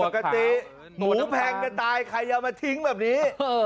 โอ้ผิดสกติหมูแพงกันตายใครจะเอามาทิ้งแบบนี้